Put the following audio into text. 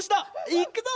いくぞ！